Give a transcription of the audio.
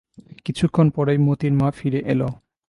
কিছুক্ষণ পরেই মোতির মা ফিরে এল।